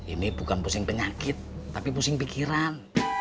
ini bukan pusing penyakit tapi pusing pikiran